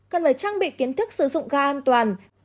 cần phải trang bị kiến thức sử dụng ga an toàn